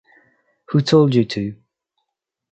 Who told you to?